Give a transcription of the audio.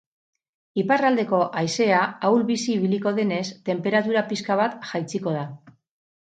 Iparraldeko haizea ahul-bizi ibiliko denez, tenperatura pixka bat jaitsiko da.